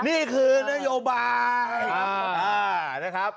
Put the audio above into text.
นี่คือนโยบาย